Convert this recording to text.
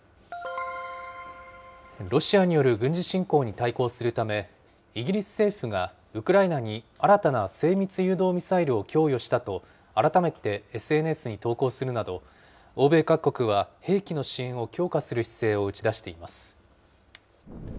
ロシアによる軍事侵攻に対抗するため、イギリス政府がウクライナに新たな精密誘導ミサイルを供与したと改めてＳＮＳに投稿するなど、欧米各国は兵器の支援を強化する姿勢を打ち出しています。